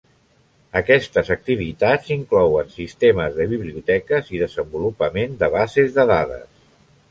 Aquestes activitats inclouen sistemes de biblioteques i desenvolupament de bases de dades.